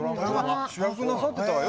主役なさってたわよ。